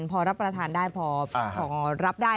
พอรับประทานได้พอรับได้